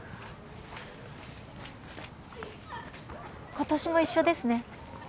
今年も一緒ですね。